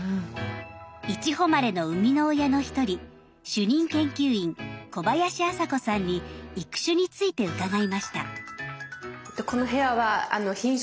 いちほまれの生みの親の一人主任研究員小林麻子さんに育種について伺いました。